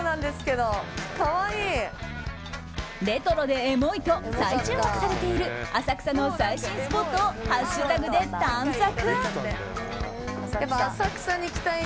レトロでエモい！と再注目されている浅草の最新スポットをハッシュタグで探索。